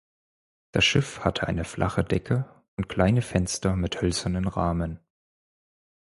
Das Schiff hatte eine flache Decke und kleine Fenster mit hölzernen Rahmen.